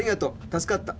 助かった。